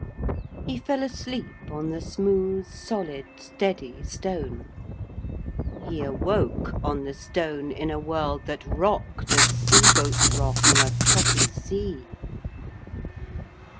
He fell asleep on the smooth, solid, steady stone. He awoke on the stone in a world that rocked as sea boats rock on a choppy sea.